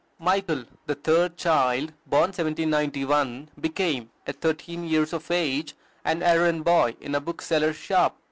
Michael, the third child, born 1791, became, at thirteen years of age, an errand boy in a bookseller's shop.